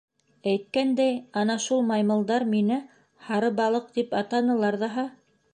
Әйткәндәй, ана шул маймылдар мине һары балыҡ тип атанылар ҙаһа.